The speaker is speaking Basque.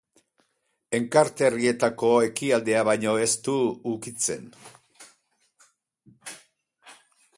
Enkarterrietako ekialdea baino ez du ukitzen.